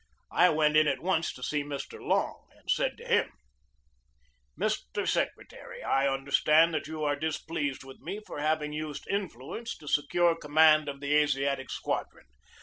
I went in at once to see Mr. Long, and said to him: "Mr. Secretary, I understand that you are dis pleased with me for having used influence to secure command of the Asiatic Squadron.